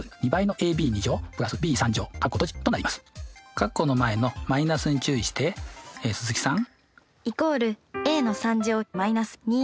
括弧の前のマイナスに注意して鈴木さん？